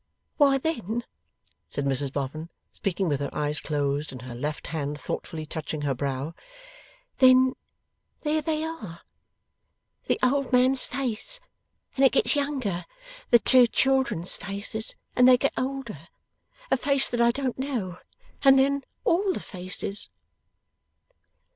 'Why then,' said Mrs Boffin, speaking with her eyes closed, and her left hand thoughtfully touching her brow, 'then, there they are! The old man's face, and it gets younger. The two children's faces, and they get older. A face that I don't know. And then all the faces!